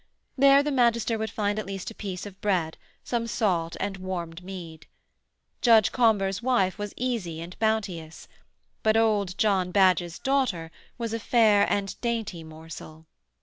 There the magister would find at least a piece of bread, some salt and warmed mead. Judge Combers' wife was easy and bounteous: but old John Badge's daughter was a fair and dainty morsel.